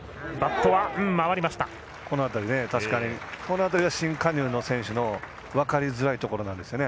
この辺りは新加入の選手の分かりづらいところなんですね。